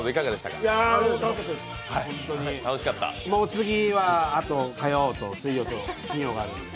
次は、あと火曜と水曜と金曜があるんで。